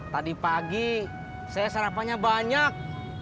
tadi pagi saya sarapannya banyak